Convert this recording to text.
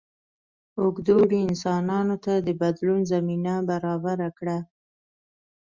اوږد اوړي انسانانو ته د بدلون زمینه برابره کړه.